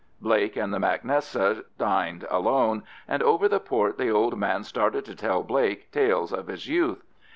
Blake and the mac Nessa dined alone, and over the port the old man started to tell Blake tales of his youth.